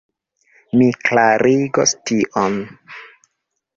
Mi klarigos tion.